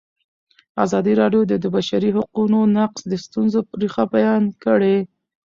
ازادي راډیو د د بشري حقونو نقض د ستونزو رېښه بیان کړې.